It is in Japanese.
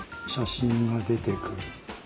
写真が出てくる。